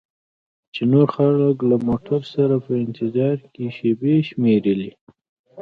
چې نور خلک له موټر سره په انتظار کې شیبې شمیرلې.